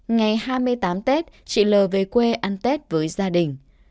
ngày hai mươi tám tết chị l về quê ăn tết với gia đình